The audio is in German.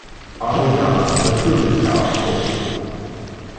Aber ja, natürlich, Herr Abgeordneter.